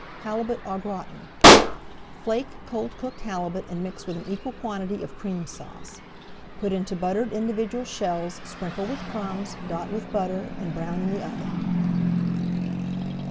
HALIBUT AU GRATIN Flake cold cooked halibut and mix with an equal quantity of Cream Sauce. Put into buttered individual shells, sprinkle with crumbs, dot with butter, and brown in the oven.